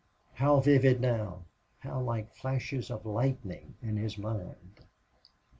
How vivid now how like flashes of lightning in his mind!